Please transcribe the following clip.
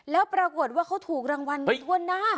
แล้วปรากฏว่าเขาถูกรางวัลกันทั่วหน้า